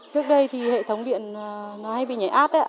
trước đây thì hệ thống điện nó hay bị nhảy át đấy ạ